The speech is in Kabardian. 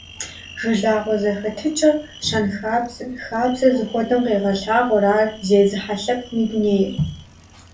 Жылагъуэ зэхэтыкӀэр, щэнхабзэр, хабзэр зыхуэдэм къегъэлъагъуэ ар зезыхьэ лъэпкъым и дунейр.